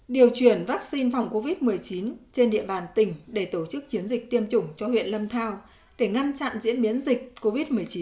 điều chuyển vaccine phòng covid một mươi chín trên địa bàn tỉnh để tổ chức chiến dịch tiêm chủng cho huyện lâm thao để ngăn chặn diễn biến dịch covid một mươi chín